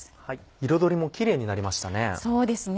彩りもキレイになりましたね。